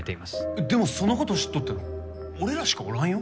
えっでもその事を知っとったの俺らしかおらんよ？